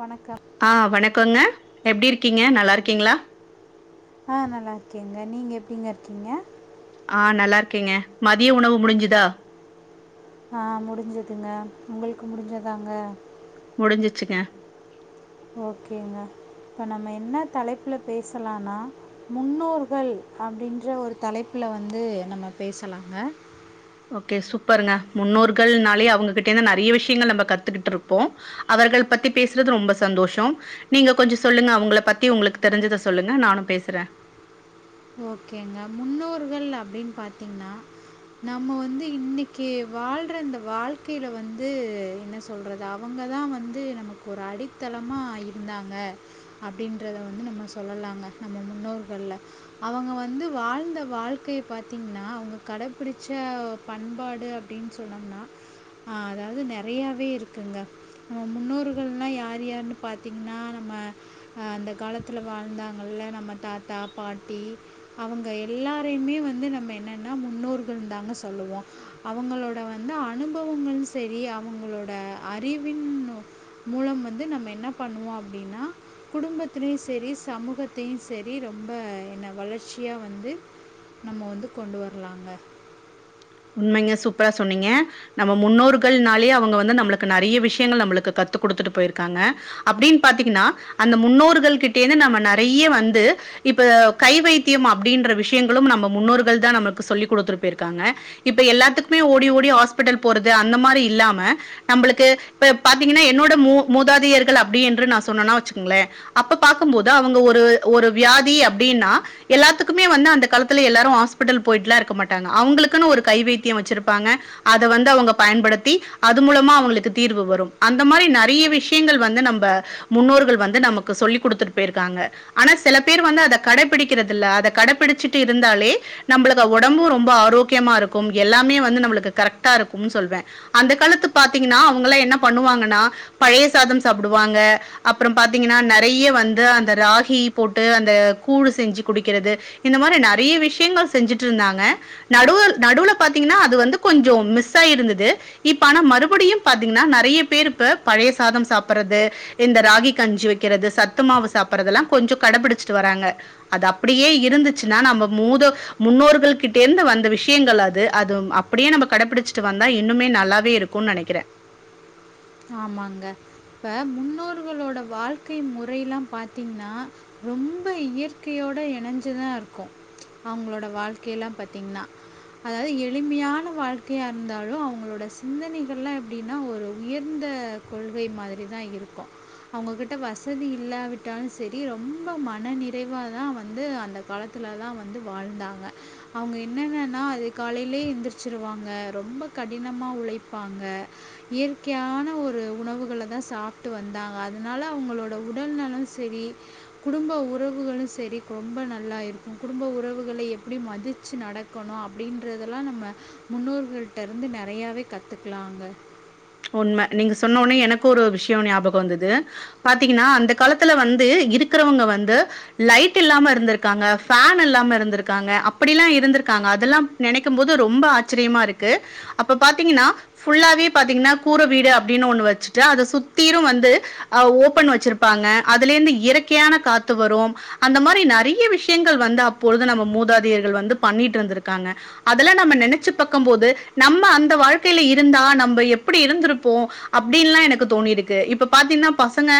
வணக்கம் ஆஹ் வணக்கங்க எப்படி இருக்கீங்க நல்லா இருக்கீங்களா ஆஹ் நல்லா இருக்கேங்க நீங்க எப்படிங்க இருக்கீங்க ஆஹ் நல்லா இருக்கீங்க மதியம் உணவு முடிஞ்சுதா ஆஹ் முடிஞ்சதுங்க உங்களுக்கு முடிஞ்சதாங்க முடிஞ்சிச்சுங்க ஓகேங்க இப்போ நம்ம என்ன தலைப்பில் பேசலனா முன்னோர்கள் அப்படின்ற ஒரு தலைப்புல வந்து நம்ம பேசலாங்க ஓகே சூப்பருங்க முன்னோர்கள்னாலயே அவங்ககிட்டே இருந்து நறைய விஷயங்கள் நம்ம கத்துக்கிட்டு இருப்போம் அவர்கள் பத்தி பேசுறது ரொம்ப சந்தோஷம் நீங்க கொஞ்சம் சொல்லுங்க அவுங்கள பத்தி உங்களுக்கு தெரிஞ்சதை சொல்லுங்க நானும் பேசுறேன் ஓகேங்க முன்னோர்கள் அப்படின்னு பாத்தீங்கன்னா நம்ம வந்து இன்னைக்கு வாழ்ற இந்த வாழ்க்கையில வந்து என்ன சொல்றது அவுங்கதான் வந்து நமக்கு ஒரு அடித்தளமா இருந்தாங்க அப்படின்றத வந்து நம்ம சொல்லலாங்க நம்ம முன்னோர்கள்ல அவுங்க வந்து வாழ்ந்த வாழ்க்கையை பார்த்திங்கன்னா அவுங்க கடைப்பிடிச்ச பண்பாடு அப்படின்னு சொன்னம்னா அதாவது நறையாவே இருக்குங்க நம்ம முன்னோர்கள்லாம் யார் யார்ன்னு பார்த்திங்கன்னா நம்ம அந்த காலத்தில வாழ்ந்தாங்கள நம்ம தாத்தா பாட் டி அவுங்க எல்லாரையுமே வந்து நம்ம என்னென்னா முன்னோர்கள் தாங்க சொல்லுவோம் அவுங்களோட வந்து அனுபவங்களும் சரி அவுங்களோட அறிவின் மூலம் வந்து நம்ம என்ன பண்ணுவோம் அப்படின்னா குடும்பத்தலையும் சரி சமூகத்தையும் சரி ரொம்ப என்ன வளர்ச்சியா வந்து நம்ம வந்து கொண்டு வரலாங்க உண்மைங்க சூப்பரா சொன்னீங்க நம்ம முன்னோர்கள்னாலயே அவுங்க வந்து நம்மளுக்கு நறைய விஷயங்கள் நம்மளுக்கு கத்து கொடுத்துட்டு போயிருக்காங்க அப்படின்னு பாத்தீங்கன்னா அந்த முன்னோர்கள் கிட்டே இருந்து நம்ம நிறைய வந்து இப்ப கை வைத்தியம் அப்படின்ற விஷயங்களும் நம்ம முன்னோர்கள் தான் நம்மளுக்கு சொல்லி் கொடுத்துட்டு போயிருக்காங்க இப்ப எல்லாத்துக்குமே ஓடி ஓடி ஹாஸ்பிட்டல் போறது அந்த மாரி இல்லாம நம்மளுக்கு இப்ப பார்த்தீங்கன்னா என்னோட மூ மூதாதியர்கள் அப்படி என்று நான் சொன்னேனா வச்சுக்கங்களேன் அப்ப பார்க்கும் போது அவுங்க ஒரு ஒரு வியாதி அப்படின்னா எல்லாத்துக்குமே வந்து அந்த காலத்துல எல்லாரும் ஹாஸ்பிட்டல் போயிட்டுலாம் இருக்க மாட்டாங்க அவுங்களுக்குன்னு ஒரு கை வத்தியம் வச்சிருப்பாங்க அத வந்து அவுங்க பயன்படுத்தி அது மூலமா அவுங்களுக்கு தீர்வு வரும் அந்த மாரி நறைய விஷயங்கள் வந்து நம்ம முன்னோர்கள் வந்து நமக்கு சொல்லிக் கொடுத்துட்டு போய் இருக்காங்க ஆனா சில பேர் வந்து அத கடைபிடிக்கிறது அத கடைபிடிச்சட்டு இருந்தாலே நம்மளுக்கு உடம்பு ரொம்ப ஆரோக்கியமா இருக் கும் எல்லாமே நமக்கு கரெக்ட்டா இருக்கும் சொல்லுவேன் அந்த காலத்துல பாத்தீங்கனா அவுங்க எல்லாம் என்ன பண்ணுவாங்கன்னா பழைய சாதம் சாப்பிடுவாங்க அப்புறம் பாத்தீங்கன்னா நறைய வந்து அந்த ராகி போட்டு அந்த கூழ் செஞ்சு குடிக்கிறது இந்த மாரி நறைய விஷயங்கள் செஞ்சுட்டு இருந்தாங்க நடுவு நடுவுல பாத்தீங்கன்னா அது வந்து கொஞ்சம் மிஸ் ஆயிருந்தது இப்ப ஆனா மறுபடியும் பாத்தீங்கன்னா நிறைய பேர் இப்ப பழைய சாதம் சாப்படுறது இந்த ராகி கஞ்சி வைக்கிறது சத்து மாவு சாப்பறது எல்லாம் கொஞ்சம் கடைபிடிச்சிட்டு வராங்க அது அப்படியே இருந்துச்சுன்னா நம்ம மூத முன்னோர்கள் கிட்ட இருந்து வந்த விஷ முக்கியங்களா அது அது அப்படியே நம்ம கடைபிடிச்சிட்டு வந்தா இன்னுமே நல்லாவே இருக்கும்னு நினைக்கிறேன் ஆமாங்க இப்ப முன்னோர்களோட வாழ்க்கை முறை எல்லாம் பார்த்தீங்கன்னா ரொம்ப இயற்கையோட இணைஞ்சதான் இருக்கும் அவுங்களோட வாழ்க்கைய எல்லாம் பார்த்தீங்கன்னா அதாவது எளிமையான வாழ்க்கையா இருந்தாலும் அவுங்களோட சிந்தனைகள் எல்லாம் எப்படின்னா ஒரு உயர்ந்த கொள்கை மாதிரி தான் இருக்கும் அவுங்ககிட்ட வசதி இல்லாவிட்டாலும் சரி ரொம்ப மன நிறைவாக தான் வந்து அந்த காலத்துல தான் வந்து வாழ்ந்தாங்க அவுங்க என்னென்னன்னா அது காலையிலயே எந்திரிச்சிருவாங்க ரொம்ப கடினமா உழைப்பாங்க இயற் கையான ஒரு உணவுகளை தான் சாப்பிட்டு வந்தாங்க அதனால அவுங்களோட உடல்நலம் செரி குடும்ப உறவுகளும் செரி ரொம்ப நல்லா இருக்கும் குடும்ப உறவுகளை எப்படி மதிச்சு நடக்கணும் அப்படின்றதெலாம் நம்ம முன்னோர்களிட்ட இருந்து நறையாவவே கத்துக்கலாங்க உண்மை நீங்க சொன்னொனே எனக்கும் ஒரு விஷயம் ஞாபகம் வந்தது பாத்தீங்கன்னா அந்த காலத்துல வந்து இருக்கிறவுங்க வந்து லைட் இல்லாம இருந்திருக்காங்க ஃபேன் இல்லாம இருந்திருக்காங்க அப்படில்லாம் இருந்திருக்காங்க அதல்லாம் நினைக்கும் போது ரொம்ப ஆச்சரியமா இருக்கு அப்ப பாத்தீங்கன்னா ஃபுல்லாவே பாத்தீங்கன்னா அப்ப கூர வீடு அப்படின்னு ஒண்ணு வச்சுட்டு அதை சுத்திரும் வந்து அஹ் ஓபன் வச்சிருப்பாங்க அதுல இருந்து இயற்கையான காத்து வரும் அந்த மாதிரி நறைய விஷயங்கள் வந்து அப்பொழுது நம்ம மூதாதியர்கள் வந்து பண்ணிட்டு இருந்திருக்காங்க அதெல்லாம் நம்ம நினைச்சு பாக்கும் போது நம்ம அந்த வாழ்க்கையில இருந்தா நம்ம எப் அப்படி இருந்திருப்போம் அப்படின்னுல்லாம் எனக்கு தோணி இருக்கு இப்ப பாத்தீங்கன்னா பசங்க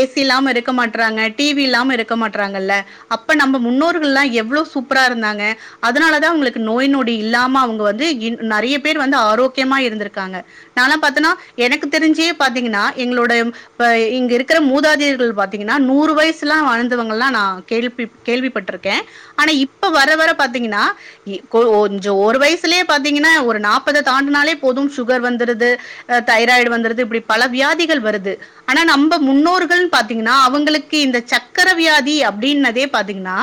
ஏசி இல்லாம இருக்க மாட்டறாங்க டிவி இல்லாம இருக்க மாட்டறாங்கல்ல அப்ப நம்ம முன்னோர்கள் எல்லாம் எவ்வளவு சூப்பரா இருந்தாங்க அதனாலதான் அவங்களுக்கு நோய் நொடி இல்லாம அவுங்க வந்து நறைய பேர் வந்து ஆரோக்கியமா இருந்திருக்காங்க நான் எல்லாம் பாத்தன்னா எனக்கு தெரிஞ்சே பாத்தீங்கன்னா எங்களோட இங்க இருக்கிற மூதாதியர்கள் பாத்தீங்கன்னா நூறு வயசுலாம் வாழ்ந்தவங்க எல்லாம் நான் கேள்வி கேள்விப்பட்டிருக்கேன் ஆனா இப்ப வர வர பாத்தீங்கன்னா கொஞ்சம் ஒரு வயசுலயே பாத்தீங்கன்னா ஒரு நாற்பது தாண்டுனாளே போதும் சுகர் வந்துருது தைராய்டு வந்துடுது இப்படி பல வியாதிகள் வருது ஆனா நம்ம முன்னோர்கள்னு பாத்தீங்கன்னா அவுங்களுக்கு இந்த சக்கர வியாதி அப்படின்னதே பாத்தீங்கன்னா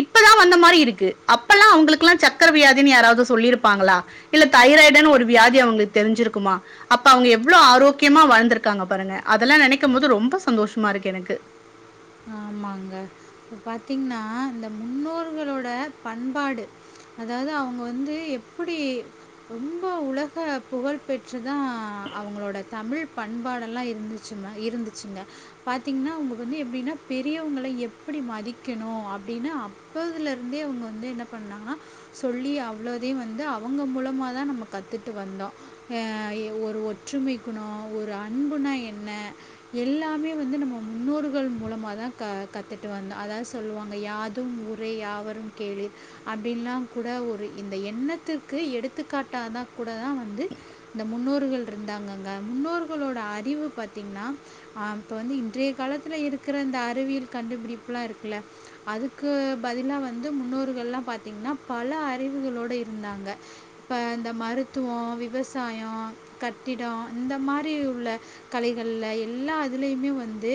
இப்பதான் வந்த மாரி இருக்கு அப்பல்லாம் அவுங்களுக்கு எல்லாம் சக்கர வியாதி யாராவது சொல்லி இருப்பாங்களா இல்ல தைராய்டுனு ஒரு வியாதி அவுங்களுக்கு தெரிஞ்சிருக்குமா அப்ப அவுங்க எவ்ளோ ஆரோக்கியமா வாழ்ந்திருக்காங்க பாருங்க அதெல்லாம் நினைக்கும் போது ரொம்ப சந்தோஷமா இருக்கு எனக்கு ஆமாங்க இப்ப பாத்தீங்கன்னா இந்த முன்னோர்களோட பண்பாடு அதாவது அவுங்க வந்து எப்படி ரொம்ப உலக புகழ் பெற் று தான் அவுங்களோட தமிழ் பண்பாடெல்லாம் இருந்துச்சு இருந்துச்சுங்க பார்த்தீங்கன்னா அவுங்க வந்து எப்படின்னா பெரியவங்கள எப்படி மதிக்கணும் அப்படின்னு அப்போதுல இருந்தே அவுங்க வந்து என்ன பண்ணாங்கன்னா சொல்லி அவ்வளோதே வந்து அவுங்க மூலமா தான் நம்ம கத்துட்டு வந்தோம் ஒரு ஒற்றுமை குணம் ஒரு அன்புணா என்ன எல்லாமே வந்து நம்ம முன்னோர்கள் மூலமா தான் கத்துட்டு வந்தோம் அதான் சொல்லுவாங்க யாதும் ஊரே யாவரும் கேளீர் அப்படின்லாம் கூட இந்த எண்ணத்துக்கு எடுத்துக்காட்டாதான் கூட வந்து இந்த முன்னோர்கள் இருந்தாங்கக முன்னோர்களோட அறிவு பாத்தீங்கன்னா வந்து இன்றைய காலத்தில் இருக்கிற இந்த அ றிவியல் கண்டுபிடிப்புலாம் இருக்குல அதுக்கு பதிலா வந்து முன்னோர்கள்லாம் பார்த்தீங்கன்னா பல அறிவுகளோடு இருந்தாங்க இப்ப இந்த மருத்துவம் விவசாயம் கட்டிடம் இந்த மாதிரி உள்ள கலைகள்ல எல்லா இதுலயுமே வந்து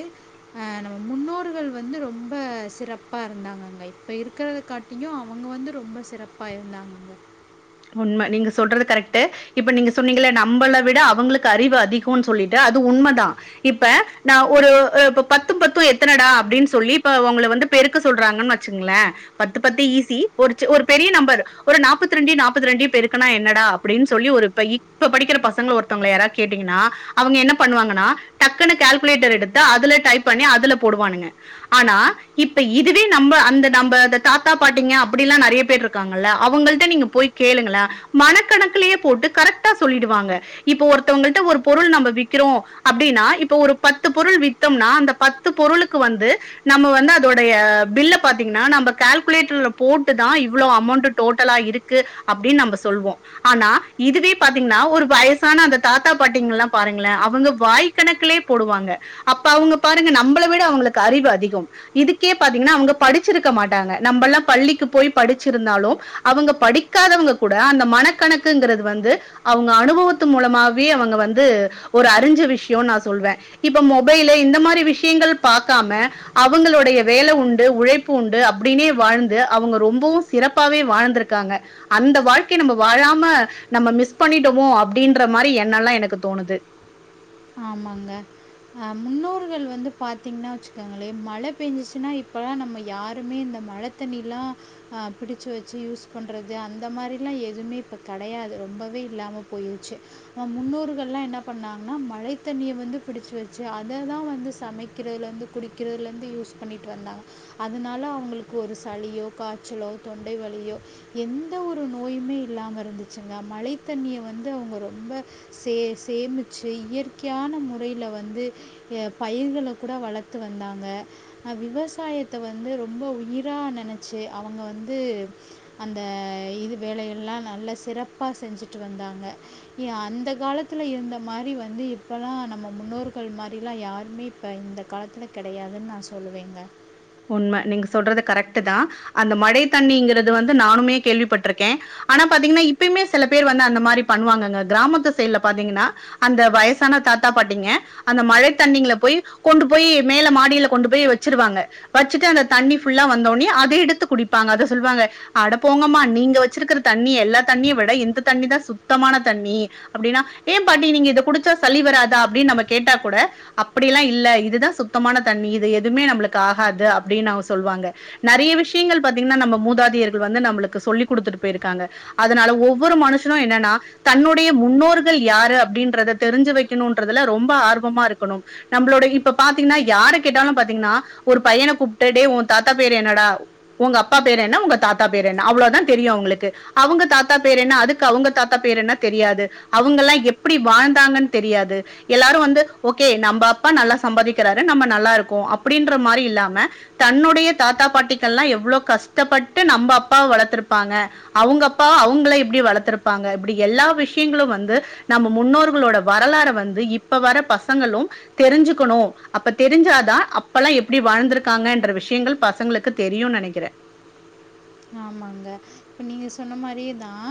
நம முன்னோர்கள் வந்து ரொம்ப சிறப்பாக இருந்தாங்கங்க இப்போ இருக்கத காாட்டியியும் அவுங்க வந்து ரொம்ப சிறப்பா இருந்தாங்கங்க உண்மை நீங்க சொல்றது கரெக்ட்டு இப்ப நீங்க சொன்னீங்கல நம்மள விட அவுங்களுக்கு அறிவு அதிகம்னு சொல்லிட்டு அது உண்மைதான் இப்ப நான் ஒரு இப்ப பத்தும் பத்தும் எத்தனைடா அப்படின்னு சொல்லி இப்ப அவுங்க வந்து பெருக்க சொல்றாங்கன்னு வச்சுங்களேன் பத்து பத்து ஈஸி ஒரு ஒரு பெரிய நம்பர் ஒரு நாப்பத்த ரெண்டு நா ப்பத்து ரெண்டையும் பெருக்கினா என்னடா அப்படினு சொல்லி ஒரு பை இப்போ படிக்கிற பசங்கள ஒருத்தவுங்கள யாரையாவது கேட்டீங்கனா அவுங்க என்ன பண்ணுவாங்கன்னா டக்குனு கால்குலேட்டர் எடுத்து அதுலயே டைப் பண்ணி அதுல போடுவாங்க இப்ப இதுவே நம்ப அந்த நம்ப தாத்தா பாட்டீங்க அப்படி எல்லாம் நறைய பேர் இருக்காங்கல அவுங்கள்ட நீங்க போய் கேளுங்களேன் மனக்கணக்கலயே போட்டு கரெக்ட்டா சொல்லிடுவாங்க இப்ப ஒருத்தவங்கள்ட ஒரு பொருள் நம்ம விக்கிறோம் அப்படின்னா இப்ப ஒரு பத்து பொருள் வித்தோம்னா அந்த பத்து பொருளுக்கு வந்து நம்ம வந்து அதோடைய பில்ல பாத்தீங்கன்னா நம்ம கால்குலேட்டர்ல போட்டுதான் இவ்வளவு அமௌண்ட் டோட்டலா இருக்கு அப்படின்னு நம்ப சொல்வோம் ஆனா இதுவே பாத்தீங்கன்னா ஒரு வயசான அந்த தாத்தா பாட்டிங்க எல்லாம் பாருங்களேன் அவுங்க வாய்க் கணக்கலே போடுவாங்க அப்ப அவுங்க பாருங்க நம்பள விட அவுங்களுக்கு அறிவு அதிகம் இதுக்கே பாத்தீங்கன்னா அவுங்க படிச்சிருக்க மாட்டாங்க நம்ப எல்லாம் பள்ளிக்கு போய் படிச்சிருந்தாலும் அவுங்க படி க்காதவுங்க கூட அந்த மனக்கணக்குங்கிறது வந்து அவுங்க அனுபவத்து மூலமாவே அவுங்க வந்து ஒரு அறிஞ்ச விஷயம்னு நான் சொல்வேன் இப்ப மொபைல் இந்த மாரி விஷயங்கள் பார்கக்காம அவுங்களுடைய வேலை உண்டு உழைப்பு உண்டு அப்படினே வாழ்ந்து அவுங்க ரொம்பவும் சிறப்பாவே வாழ்ந்திருக்காங்க அந்த வாழ்க்கை நம்ம வாழாம நம்ம மிஸ் பண்ணிட்டோமோ அப்படின்ற மாதிரி எண்ணம்ல்லாம் எனக்கு தோணுது ஆமாங்க முன்னோர்கள் வந்து பார்த்தீங்கன்னா வச்சுக்கோங்களே மழை பெஞ்சுச்சுன்னா இப்ப எல்லாம் நம்ம யாருமே இந்த மழை தண்ணி எல்லாம் பிடிச்சு வச்சு யூஸ் பண்றது அந்த மாரிலாம் எதுவுமே இப்ப கிடையாது ரொம்பவே இல்லாம போயிருச்சு ஆஹ் முன்னோர்கள்லாம் என்ன பண்ணாங்கன்னா மழத்தண்ணியை வந்து பிடிச்ச வச்சு அதை தான் வந்து சமைக்கிறதுலேருந்து குடிக்கிறதுலேருந்து யூஸ் பண்ணிட்டு வந்தாங்க அதனால அவுங்களுக்கு ஒரு சளியோ காய்ச்சலோ தொண்டை வலியோ எந்த ஒரு நோயுமே இல்லாமல் இருந்துச்சுங்க மழத்தண்ணியை வந்து அவுங்க ரொம்ப சே சேமிச்சு இயற் முக்கியான முறையில் வந்து பயிர்களை கூட வளர்த்து வந்தாங்க விவசாயத்தை வந்து ரொம்ப உயிராக நெனச்சி அவங்க வந்து அந்த இது வேலைகள்ல்லாம் நல்ல சிறப்பாக செஞ்சுட்டு வந்தாங்க அந்த காலத்தில் இருந்த மாரி வந்து இ இப்போலாம் நம்ம முன்னோர்கள் மாரிலாம் யாருமே இப்போ இந்த காலத்தில் கிடையாதுன்னு நான் சொல்லுவேங்க உண்மை நீங்க சொல்றது கரெக்ட் தான் அந்த மழை தண்ணிங்குறது வந்து நானுமே கேள்விப்பட்டிருக்கேன் ஆனா பாத்தீங்கன்னா இப்பயுமே சில பேர் வந்து அந்த மாதிரி பண்ணுவாங்கங்க கிராமத்து சைடுல பாத்தீங்கன்னா அந்த வயசான தாத்தா பாட்டிங்க அந்த மழை தண்ணிங்கல போய் கொண்டு போய் மேல மாடியில கொண்டு போய் வச்சிருவாங்க வச்சுட்டு அந்த தண்ணி ஃபுல்லா வந்தோனே அதை எடுத்து குடிப்பாங்க அதை சொல்லுவாங்க அட போங்கம்மா நீங்க வச்சிருக்கிற தண்ணி எல்லா தண்ணிய விட எந்த தண்ணி தான் சுத்தமான தண்ணி அப்படின்னா ஏன் பாட்டி நீங்க இதை குடிச்சா சளி வராதா அப்படின்னு நம்ம கேட்டா கூட அப்படியலாம் இல்ல இதுதான் சுத்தமான தண்ணி இது எதுவுமே நம்மளுக்கு ஆக ஆகது அப்படின்னு அவங்க சொல்லுவாங்க நிறைய விஷயங்கள் பாத்தீங்கன்னா நம்ம மூதாதியர்கள் வந்து நம்மளுக்கு சொல்லி் கொடுத்துட்டு போயிருக்காங்க அதனால ஒவ்வொரு மனுஷனும் என்னன்னா தன்னுடைய முன்னோர்கள் யாரு அப்படின்றத தெரிஞ்சு வைக்கணும்என்றதுல ரொம்ப ஆர்வமா இருக்கணும் நம்மளோடைய இப்ப பாத்தீங்கன்னா யாரு கேட்டாலும் பாத்தீங்கன்னா ஒரு பையனை கூப்பிட்டே உன் தாத்தா பேர் என்னடா உங்க அப்பா பேர் என்ன உங்க தாத்தா பேர் என்ன அவ்வளோதான் தெரியும் அவங்களுக்கு அவங்க தாத்தா பேர் என்ன அதுக்கு அவங்க தாத்தா பேர் என்ன தெரியாது அவங்க எல்லாம் எப்படி வாழ்ந்தாங்கன்னு தெரியாது எல்லாரும் வந்து ஓகே நம்ம அப்பா நல்லா சம்பாதிக்கிறாரு நம்ம நல்லா இருக்கோம் அப்படின்னு தன்னுடைய தாத்தா பாட்டிகள்ல்லாம் எவ்வளவு கஷ்டப்பட்டு நம்ம அப்பாவ வளர்த்திருப்பாங்க அவங்க அப்பா அவங்கள இப்படி வளர்த்துருப்பாங்க இப்படி எல்லா விஷயங்களும் வந்து நம்ம முன்னோர்களோட வரலாறை வந்து இப்ப வர பசங்களும் தெரிஞ்சுக்கணும் அப்ப தெரிஞ்சாதான் ப்பலாம் எப்படி வாழ்ந்திருக்காங்க என்ற விஷயங்கள் பசங்களுக்கு தெரியும் நினைக்கிறேன் ஆமாங்க இப்ப நீங்க சொன்ன மாதிரிதான்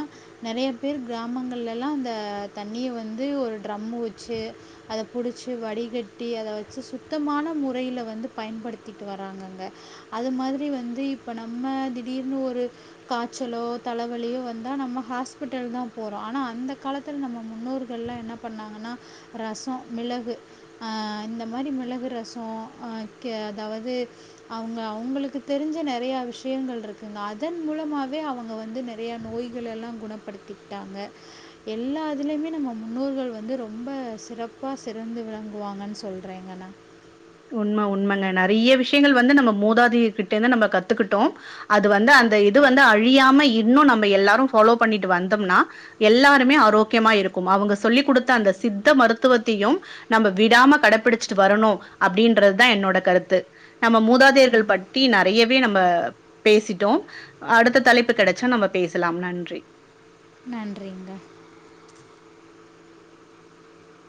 நிறைய பேர் கிராமங்கள்லல்லாம் அந்த தண்ணிய வந்து ஒரு ட்ரம் வச்சு அதை புடிச்சு வடிகட்டி அத வச்சு சுத்தமான முறையில வந்து பயன்படுத்திட்டு வராங்கங்க அது மாதிரி வந்து இப்போ நம்ம திடீர்னு ஒரு காய்ச்சலோ தலைவலியோ வந்தால் நம்ம ஹாஸ்பிட்டல் தான் போறோம் ஆனால் அந்த காலத்தில் நம்ம முன்னோர்கள்லாம் என்ன பண்ணாங்கன்னா ரசம் மிளகு இந்த மாதிரி மிளகு ரசம் அதாவது அவங்க அவங்களுக்கு தெரிஞ்ச நிறைய விஷயங்கள் இருக்கு இருக்குங்க அதன் மூலமாகாவவே அவங்க வந்து நிறையா நோய்கள எல்லாம் குணப்படுத்திட்டாங்க எல்லா இதுலேயுமே நம்ம முன்னோர்கள் வந்து ரொம்ப சிறப்பாக சிறந்து விளங்குவாங்கன்னு சொல்றேங்கண்ணா உண்மை உண்மைங்க நிறைய விஷயங்கள் வந்து நம்ம மூதாதையர் கிட்ட இருந்து நம்ம கத்துக்கிட்டோம் அது வந்து அந்த இது வந்து அழியாம இன்னும் நம்ம எல்லாரும் ஃபாலோ பண்ணிட்டு வந்தோம்னா எல்லாருமே ஆரோக்கியமா இருக்கும் அவங்க சொல்லிக் கொடுத்த அந்த சித்த மருத்துவத்தையும் நம்ம விடாம கடைப்பிடிச்சிட்டு வரணும் அப்படின்றதுதான் என்னோட கருத்து நம்ம மூதாதையர்கள் நான் பத்தி நிறையவே நம்ம பேசிட்டோம் அடுத்த தலைப்பு கிடைச்சா நம்ம பேசலாம் நன்றி நன்றிறிங்க